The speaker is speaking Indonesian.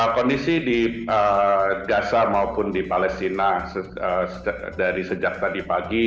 kondisi di gaza maupun di palestina dari sejak tadi pagi